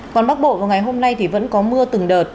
còn bắc bộ vào ngày hôm nay thì vẫn có mưa từng đợt